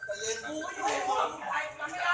กลับมาเช็ดตาของมอง